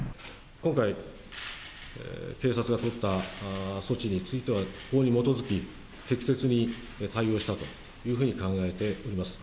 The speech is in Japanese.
今回、警察が取った措置については、法に基づき適切に対応したというふうに考えております。